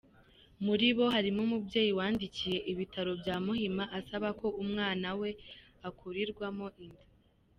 Muri bo harimo umubyeyi wandikiye Ibitaro bya Muhima asaba ko umwana we akurirwamo inda